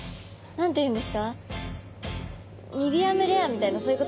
何て言うんですかそう。